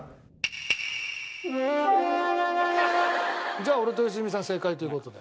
じゃあ俺と良純さん正解という事で。